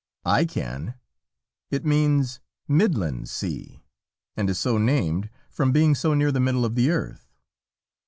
I can! It means "Midland Sea," and is so named from being so near the middle of the earth.